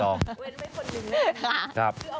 เว้นไว้คนหนึ่งนะครับ